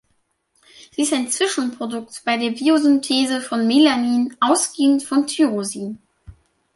Sie ist ein Zwischenprodukt bei der Biosynthese von Melanin ausgehend von Tyrosin.